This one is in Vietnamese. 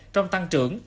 trong tăng trưởng